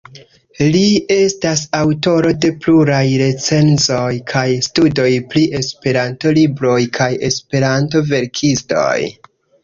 Li estas aŭtoro de pluraj recenzoj kaj studoj pri Esperanto-libroj kaj Esperanto-verkistoj.